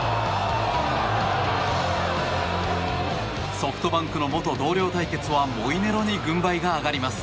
ソフトバンクの元同僚対決はモイネロに軍配が上がります。